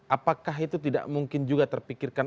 apakah ini bikin anda ketat